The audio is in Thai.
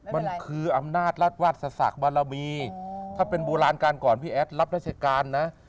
มันคืออำนาจรัฐวาสศักดิ์บารมีถ้าเป็นโบราณการก่อนพี่แอดรับราชการนะ